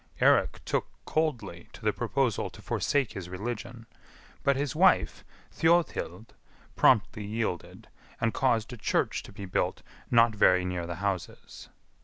Eirik took coldly to the proposal to forsake his religion, but his wife, Thjodhild, promptly yielded, and caused a church to be built not very near the houses.